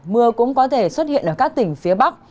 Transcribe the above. mưa cũng có thể xuất hiện ở các tỉnh phía bắc